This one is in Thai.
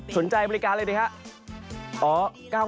สนใจบริการเลยดีครับ